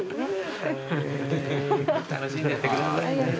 楽しんでってください。